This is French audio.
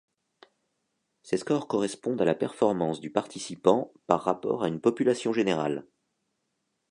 Ces scores correspondent à la performance du participant par rapport à une population générale.